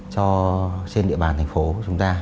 cho trên địa bàn thành phố của chúng ta